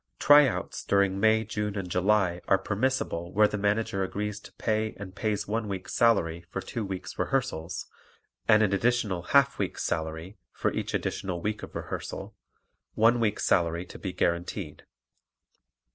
"Tryouts" during May, June and July are permissible where the Manager agrees to pay and pays one week's salary for two weeks' rehearsals and an additional half week's salary for each additional week of rehearsal, one week's salary to be guaranteed.